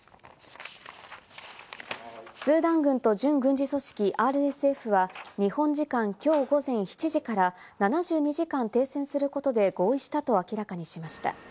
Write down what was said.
スーダン軍と準軍事組織ＲＳＦは日本時間きょう午前７時から７２時間停戦することで合意したと明らかにしました。